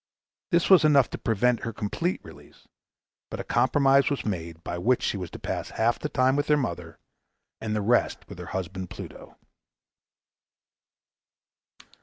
This was enough to prevent her complete release; but a compromise was made, by which she was to pass half the time with her mother, and the rest with her husband Pluto.